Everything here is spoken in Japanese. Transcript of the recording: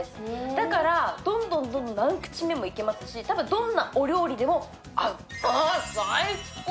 だから、どんどんどんどん何口でもいけますし、多分どんなお料理でも合う。